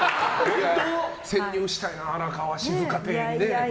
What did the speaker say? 潜入したいな荒川静香邸に。